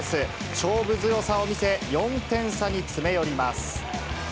勝負強さを見せ、４点差に詰め寄ります。